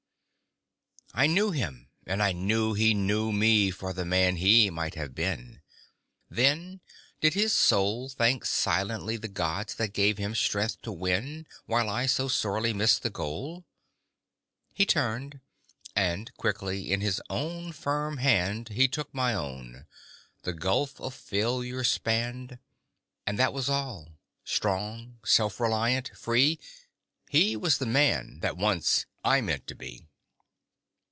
I knew him! And I knew he knew me for The man HE might have been. Then did his soul Thank silently the gods that gave him strength To win, while I so sorely missed the goal? He turned, and quickly in his own firm hand He took my own the gulf of Failure spanned, ... And that was all strong, self reliant, free, He was the Man that Once I Meant to Be!